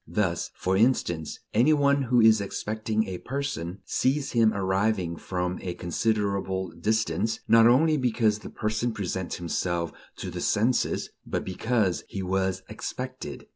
Thus, for instance, any one who is expecting a person, sees him arriving from a considerable distance; not only because the person presents himself to the senses, but because he was "expected."